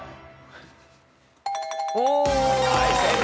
はい正解。